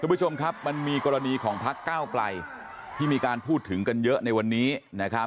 คุณผู้ชมครับมันมีกรณีของพักเก้าไกลที่มีการพูดถึงกันเยอะในวันนี้นะครับ